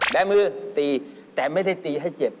และมือตีแต่ไม่ได้ตีให้เจ็บ